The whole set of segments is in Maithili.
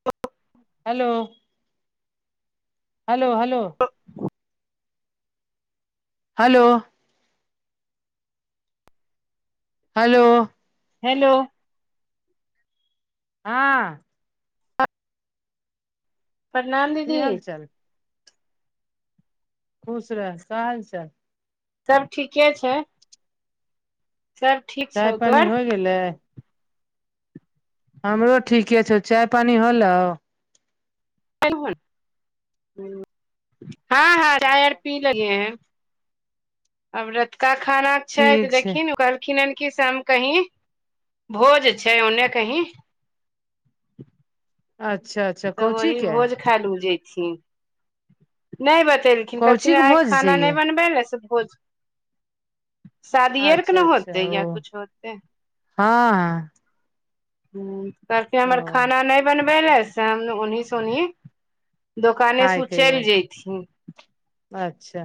[inaudible] Hello hello hello hello hello hello हँ प्रणाम की दीदी हाल चाल खुश रह का हाल चाल सब ठीके छै सब [unintelligible] चाय पानि तोहर होइ गेलै हमरो ठीके छौ चाय पानी होलौ खैलहुन हँ हँ चाय आर पी लेलियै हन अब रतुका खानाके छै तऽ देखहीं न उ कहलखिन हन की से हम कहीं भोज छै ओन्ने कहीं अच्छा अच्छा तऽ कौची वही के भोज खाय ल उ जैथिन नै बतैल कौची कहलखिन के आइ भोज छै खाना नै ये बनबे ले से भोज शादीये आरकें अच्छा न होतै अच्छा ओ या कुछ होतै हँ आ हूंम्म कहलखिन हमर खाना नै बनबै ले से हम ओन्हि से ओन्हि दोकानेसँ खाय उ के ओ चलि जयथिन अच्छा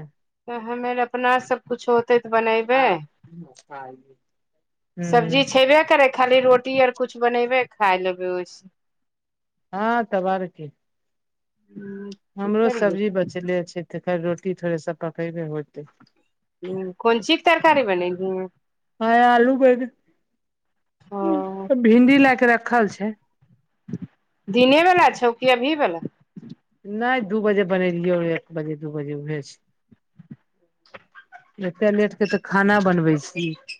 फेर हम्मे आर अपना सब कुछ होत तै तऽ बनैब हँ हँ सब्जी हूंम्म छेबे करै खाली रोटी आर कुछ बनेबै खाय लेबै ओय से हँ तब आरो की [inaudible] हमरो सब्जी बचले छै तइका रोटी थोड़े से पकैबै होयतै हूंम्म कोन चीके तरकारी बनेलहिं आय आलू बैगन ओ उं भिंडी लैके रखल छै दिने बला छौ की अभी बला नै दू बजे बनेलियौ रहै एक बजे दू बजे उहे छै एते लेटके तऽ खाना बनबै छीहीं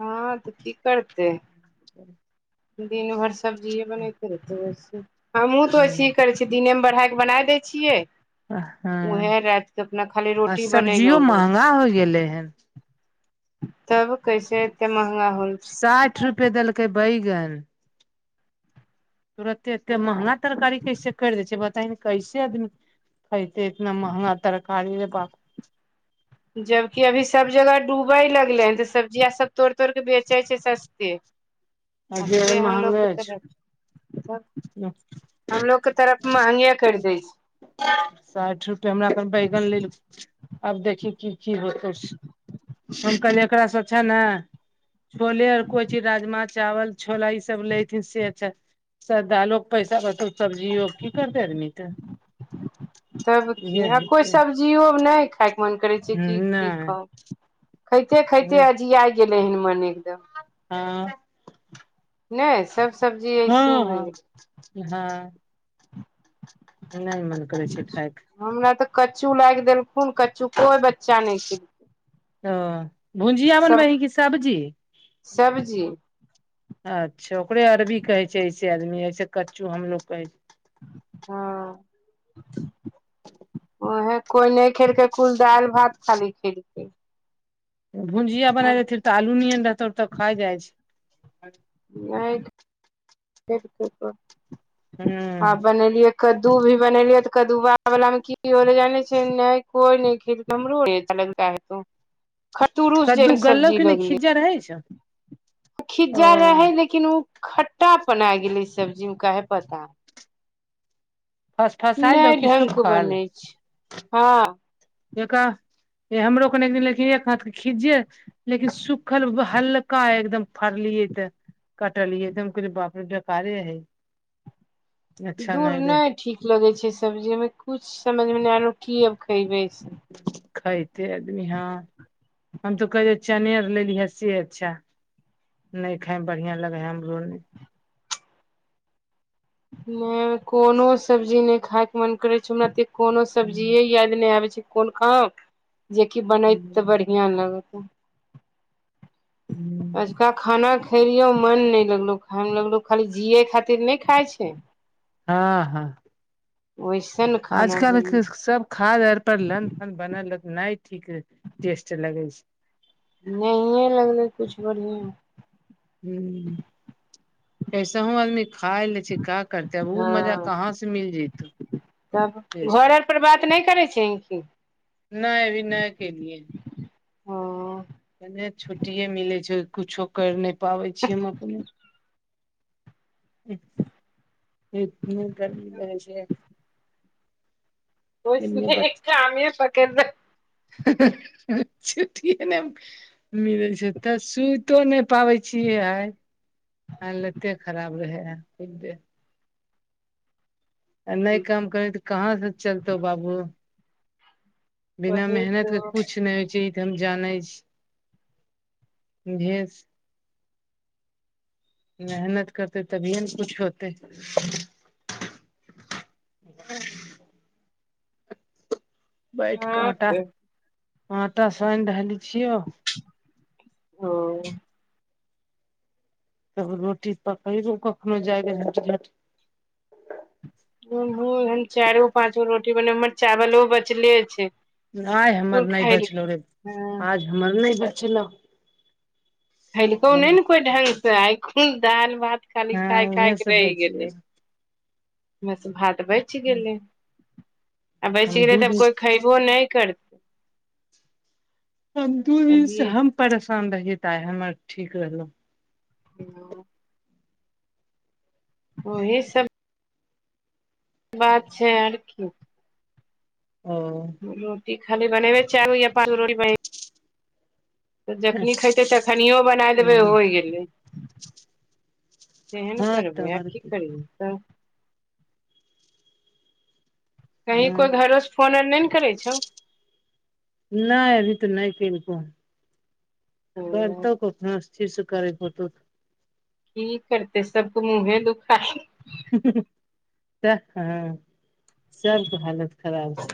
हँ तऽ की करतै [inaudible] दिन भर सब्जिये बनैते रैहतिये से हमहूँ तऽ वैसही करै छी दिनेमे बढ़ाय क बना दै छियै हँ ओहै रातिकऽ अपना खाली आ रोटी सब्जियो बनैलौ बस [unintelligible] तब कैसे एते महँगा होलऽ साठि रुपए देलकै बैगन तुरते एते महंगा तरकारी कैसे करि दै छै बता ने कैसे आदमी - - खइते इतना महंगा तरकारी रे बाप - - जबकि अभी सब जगह डूबय लगले हन तऽ सब्जिया सब तोड़ तोड़ के बेचै छै सस्ते आ जे से महंगे हमलोगके तऽ तब छै हमलोगके तरफ महंगे करि दै छै साठि रुपए हमरा अपन बैगन लेलु आब देखियी की की होतौ से हम कहल एकरा स छै ने छोले आर कोइ चीज राजमा चावल छोला ई सब लेएथिन से अच्छा सधा ल लोकग पैसा बत [unintelligible] सब्जीयो की करतै आदमी तऽ इह जियो नै खाय के मन करै छै की की क नहि खाइते खाइते अजिया गेलैहन मने एकदम हँ नै सब सब्जी हँ ऐसे होइ हँ गेलै हाँ नै मन करै छै खायके हमरा तऽ कच्चू लागि देलखुन कच्चू कोइ बच्चा नै खेल ओ भुजिया सब बनबै है कि सब्जी सब्जी अच्छा ओकरे अरबी कहै छै ऐसे आदमी ऐसे कच्चू हमलोग कहै छै हँ उहे कोइ नै खेलकै कुल दालि भात खाली खेलकै भुजिंया बनाय देथि तऽ आलू नियन रहतौ तऽ खाइ जाइ छै हँ हूँ बनैलियै कद्दू भी बनेलिय तऽ कदुवाला मे की जाने छै ने कोई नै खेलकै नमरू हो य च लगगै तो [unintelligible] खटरुस जे कद्दू गललौ सब्जी कि नहि लगले खिज्जा रहै छौ ओ खिज्जा रहै लेकि किन उ खट्टा पना आए गेले सब्जी मे काहे पता फसफसायल नै रहौ कि ढ़ंक क सुखल बनै छै हँ एक हमरो कने दिन लेकिन एक हाथ खीज्जे लेकिन सुखल हल्का एकदम फड़लियै तऽ कटलियै त हम बापरे बेकारे है दूर नै ठीक लगैत छै सब्जीमे किछु समझमे नै आलो की आब खयबै से खाइते आदमी हँ हम तो कहे चने आर लेलीहे से अच्छा नै खाए मे बढ़िया लगै हाय हमरो नै नै कोनो सब्जी नै खाय के मन करै छौ हमरा ती कोनो सब्जी याद नहि आबै छै कोना खाउ जेकि बनत तऽ बढ़िआ लगत अजका खाना। खलियो मन नहि लगलो खायमे लगलो खाली जियए खातिर नहि खाइ छै। ह, ह ओहिस ने। आज कलके सभ खाद आर पर लन फन बनल नहि ठीक टेस्ट लगे छै। नहिए लगलै किछु बढ़िआ हूँ कैसहु आदमी खा लय छै का करते आब ओ मजा हँ कहा से मिल जतौ तब टेस्ट घर आर पर बात नहि करै छै कि। नहि अभी नहि खेलिय हँ एतने छुट्टिये मिलै छो जो किछो करि नहि पाबै छियो हम अपने [unintelligible] कोइ केने सुनहय हे बच्चे कामे पकड़ [unintelligible] मिलै छै तऽ सुतियो नहि पाबै छियै आइ। हालते खराब रहे कूछ देर आ नहि रखी काम करी तऽ कहा से चलतौ बाबू बिना वही मेहनत के तो कुछ नहि होइ छै। से हम जानै छी भेज मेहनत कऽ तभिए ने कुछ होतै ह बैठ हँ कऽ तऽ आटा सान रहली छियो ओ तब रोटी पकेबो कखनो जाय चार पाच गो रोटी बनेब हमर चावलो बचले छै नहि हमर कुल नहि बचलो खैलकै रे हँ आज हमर नहि बचलो। खेलकौ नहि ने कोई ढंग सँ आ कून दालि भात खाली हँ खाय खाय उहे के से रहि बचिये गेलै बस भात बचि गेलै आ बेचि हम गेलय दू तऽ आब दिन कोइ खयबो नहि करतै दू दिन से अभी हम परेशान रहियै तऽ आइ हमर ठीक रहलहूँ [unintelligible] ओहे सभ। बात छै आर कि ओ। रोटी खाली बनेबै चैर गो या पाँच गो रोटी बनेबई तऽ जखनि खयतै तखनियो बनाय देबै होइ गेलै। कि हँ तब आर की करिबिही त कही हँ कोई घरो से फोन आर नहि ने करै छै। नहि अभी तऽ नहि केलको हैं करतौ कखनो अस्थिर से करै के होतो कि करते सभके मुँहे दुखाय ह ह सभके हालत खराब छै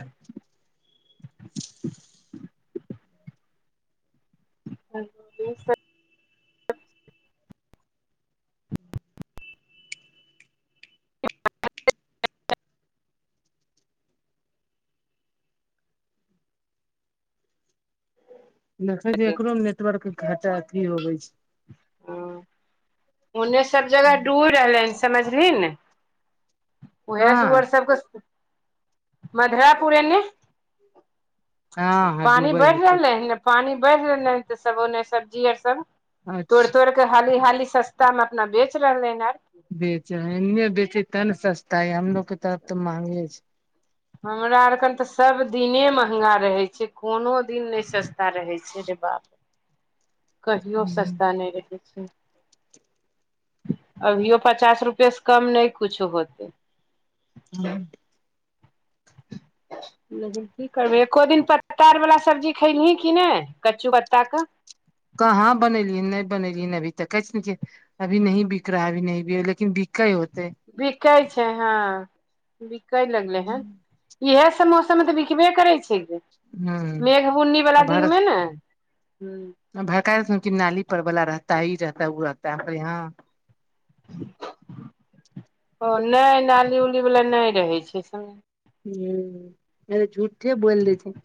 [unintelligible] देखलिए एकरो मे नेटवर्क अथी होबे छै ह [unintelligible] समझलीही ने उहे त ऊ कहाँ आर सभ के मधरापुर एने हँ हँ पानि डूबै बढ़ होतै रहलै हन ने पानी बेढ़ रहलय हन तऽ सभ ओने सब्जी आर सभ तोड़े अच्छा तोड़ के त हाली हाली सस्ता मे अपना बेच रहले हन बेचे है एनिहे देते त ना सस्ता हमलोग के तरफ महंगे छै हमरा आर के त सभ दिने महंगा रहै छै कोनो दिन नहि सस्ता रहै छै रे बाप कहियो छै सस्ता नहि रहै छै अभियो पचास रुपए सँ कम नहि कुछो होतै [unintelligible] कि करबे एको दिन पत्तार बाला सब्जी खयलही कि नहि कच्चू पत्ता के कहाँ बनेलीये नहि बनेलीये ने अभी दखय छी अभी नही बिक रहा लेकिन बिकै होतै बिकै छै ह बिकै लगले हन हूँ इहे समोस सभ तऽ बिकबे करै छै मेघ बुन्नी वाला दिन मे ने ह भरका कि नाली पर वाला रहता ह ई रहता है ओ रहताै हमे यहाँ ओ ने नाली उली वला ने रहै छै ह रे झूठे बोल दै छै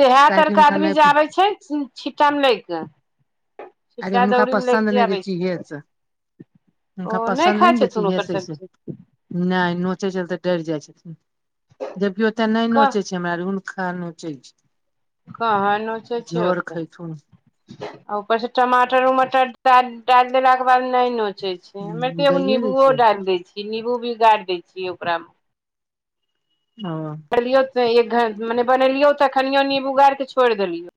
देहात आर के काकम खाना [unintelligible] छिट्टा मे लै अरे छिट्टा हुनका दौरी मे पसन्द लैके नहि दै आबै छै इहे से ओ हुनका नेय पसन्द खाइ नहि दै छै छथुन इहे ओकर से से सब्जि ने नोचे छै तऽ डर जाय छथिन जबकि ओते न कह नोचे छै हमरा रुन खहुँचै छै। कहाँ नोचे छै झोर ओते खैथुन आ ऊपर से टमाटर उमाटर डाल देला के बाद ने नोचे छै, ओते हमे तऽ एगो दैए दै नेबुओ छियै डायल दै छियै निमबू भी गाइर दै छियै ओकरामे ह बनेलियो एक घ मने बनेलियो तऽ खनिये उगरिक के छोड़ि देलियो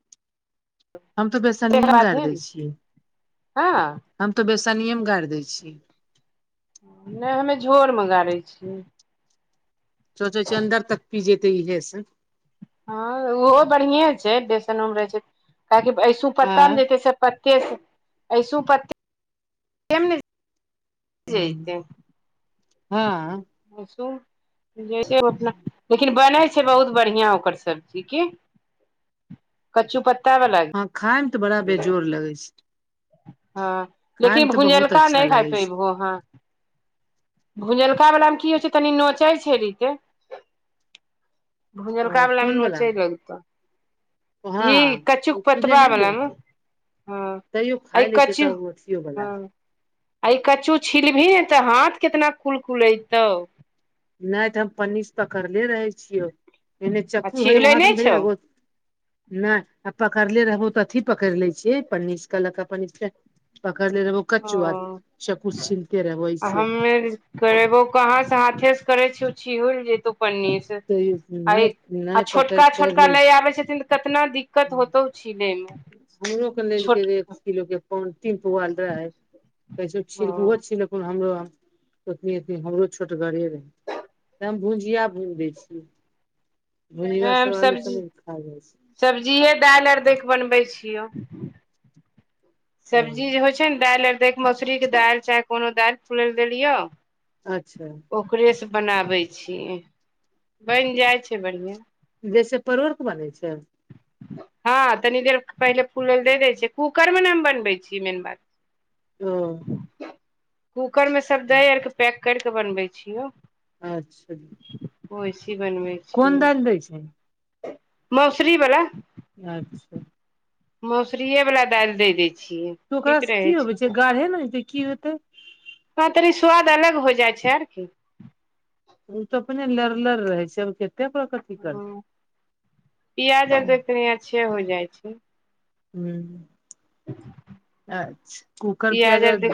हम तऽ बेसनिमे गरि बादे दै ने छियै, हँ हम तऽ बेसनियेमे गरि दै छियै नय हमे झोर मागा लेय छियै। सोचै छिये अन्दर तक पी जेतै इहे से। हँ ओहो बढ़िए छै बेसनोमे रहै छै काहेकि ऐसू पत्तमे आँय जेतै से केस अऐसू प्त [unintelligible] ह जैतै ह मशम जेना लेकिन बनै छै बहुत बढ़िया ओकर सब्जी की कचू पत्ता वाला हाँ खाय मे तऽ बड़ा बेजोर लगै छै। ह खाय मे लेकिन तऽ बहुत भुजलका अच्छा नहि खाय लगै छै पयबहो हँ भुजलका वला मे की होइ छै तनी नोचै छै रीते भुजलका ओ बलामे कोन बला नौचे लगत हँ ओ पीले पतबा नहि दै वाला मे छै हँ तैयो आ ई खाय ले छैक कच्चू ओ छौ हँ भला। आ ई कच्चू छिलबही ने तऽ हाथ कितना कुल कुल ऐतौ नहि तऽ हम पच्चीस पकड़ले रहे छियौ। एने आ चक्कू भइ छिहले वहाँ नहि तधरि छौ आगहुत नहि आ पकड़ले रहबो तऽ अथी पकड़ लै छियै पनीर के लऽ कऽ पनीर पकड़ने रहे वो ओ कच्चुआ चकु छिलते रह वो आ वहिसे हमे करेबो कहाँ से हाथे से करे छै छिहुल जेतौ पन्नीस नहि पकड़ छोटका कर छोका लै नहि आबै छथिन कतना दिक्कत होतौ छिलई मे। हमरो लेल छै र छोटका किलोके कोन तीन पौआल रह है कैसो छक ओहो हँ छिलक हमरो ओतनी ओतनी हमरो छोट गाड़िय रहे त हम भुजिया भुज दै छीयै भुजिया नहि हम सभ आलू सब्जी सभ खा जाइ छै सब्जिए दाइल आर देख कऽ बनबै छियौ। ओ सब्जी जे होइ छै ने दालि अर दैके मोसरी के दालि चाहे कोनो दालि फुलय लए देलियौ अच्छा। ओकरेसँ बनाबै छियै बनि जाइ छै बढ़िआ जैसे परोर के बनै छै। हँ तनी देर पहिले फूलेल दे देय छै कूकर मे ने बै छी मेन बात। ह कुकरमे सभ दै आरके पैक केर कऽ बनबै छियौ अच्छा असेए बन्बे छै कोन दालि दै छै। मौसरी वला। अच्छा। मसुरीए बला दालि दऽ दै छियै। तऽ ठीक ओकरासँ कि रहै होइ छै गाढ़े ने होतै कि होतै हँ, तनी स्वाद अलग हो जाइ छै, आओर कि ओ तऽ अपने लरलर रहे छै और कते करबै हँ, पिआज़ आर सँ तऽ कनि अच्छे हो जाइ छै हँ अच्छा कुकर पिआज़ प्याज आर दे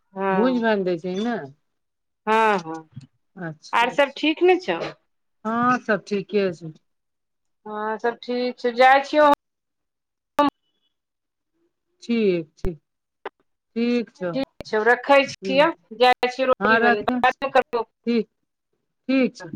हँ भूज भाइज दै छै ने हँ हँ अच्छा आओर सभ अच्छा ठीक नऽ छौ हँ सभ ठीके छै हँं सभ ठीक छै जाइ छियौहम ठीक ठीक ठीक छौ ठीक छै रखै छिओ जाइ छी हँ रोटी बनबै राखे लेलऽ बाद मे करबोउ फोन। ठीक, ठीक छै।